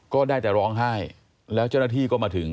ก็ได้แต่ร้องไห้แล้วเจ้าหน้าที่ก็มาถึง